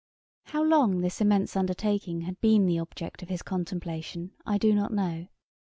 How long this immense undertaking had been the object of his contemplation, I do not know.